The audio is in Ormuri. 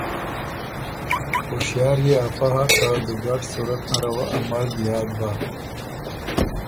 هوشیار يې افۀ هۀ که دُوګډ صورت نره وه ا مرګ یاد بَۀ۔